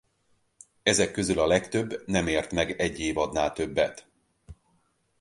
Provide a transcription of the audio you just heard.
Ezek közül a legtöbb nem ért meg egy évadnál többet.